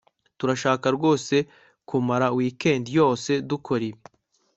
turashaka rwose kumara weekend yose dukora ibi